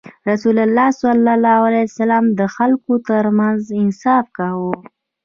رسول الله ﷺ د خلکو ترمنځ انصاف کاوه.